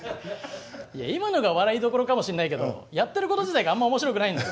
いや今のが笑いどころかもしんないけどやってること自体があんま面白くないんだ。